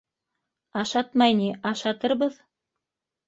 — Ашатмай ни, ашатырбыҙ.